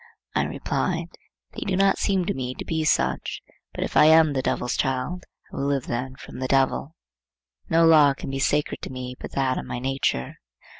I replied, "They do not seem to me to be such; but if I am the Devil's child, I will live then from the Devil." No law can be sacred to me but that of my nature.